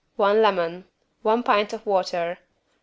One lemon. One pint of water.